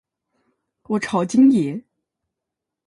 我超，京爷